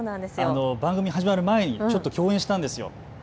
番組が始まる前にちょっと共演したんです。